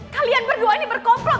kalian berdua ini berkomplot